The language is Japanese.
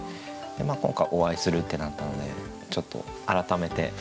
今回お会いするってなったのでちょっと改めて歌集も読ませて頂いて。